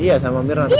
iya sama mirna tetap